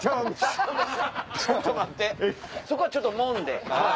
ちょっと待ってそこはちょっともんで。